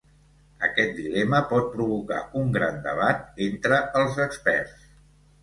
Aquest dilema pot provocar un gran debat entre els experts.